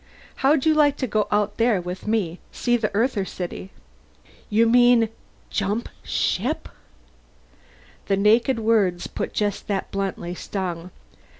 "How'd you like to go outside there with me? See the Earther city?" "You mean jump ship?" The naked words, put just that bluntly, stung.